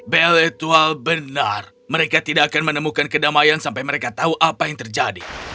beletual benar mereka tidak akan menemukan kedamaian sampai mereka tahu apa yang terjadi